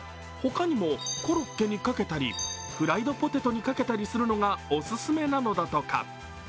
他にもコロッケにかけたり、フライドポテトにかけたりするのがオススメなのだとか。